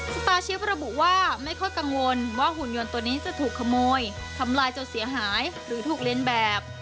สมาชิกระบุว่าไม่ค่อยกังวลว่าหุ่นยนต์ตัวนี้จะถูกขโมยทำลายจนเสียหายหรือถูกเรียนแบบ